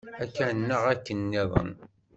Akka neɣ akken-nniḍen.